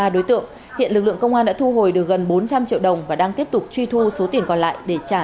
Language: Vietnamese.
ba đối tượng hiện lực lượng công an đã thu hồi